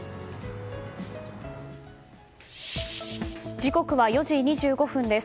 時刻は４時２５分です。